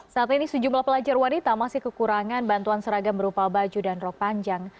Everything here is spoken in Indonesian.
saat ini sejumlah pelajar wanita masih kekurangan bantuan seragam berupa baju dan rok panjang